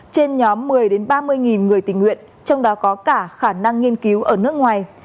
trên nhóm một mươi ba mươi người tình nguyện trong đó có cả khả năng nghiên cứu ở nước ngoài